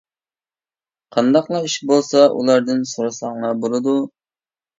قانداقلا ئىش بولسا ئۇلاردىن سورىساڭلار بولىدۇ.